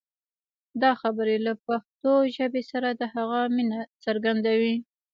دا خبرې له پښتو ژبې سره د هغه مینه څرګندوي.